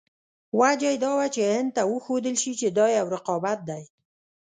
وجه یې دا وه چې هند ته وښودل شي چې دا یو رقابت دی.